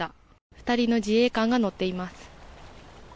２人の自衛官が乗っています。